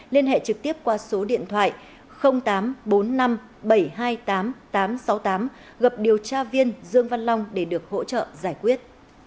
liên hệ trực tiếp qua số điện thoại tám trăm bốn mươi năm bảy trăm hai mươi tám tám trăm sáu mươi tám gặp điều tra viên dương văn long để được hỗ trợ giải quyết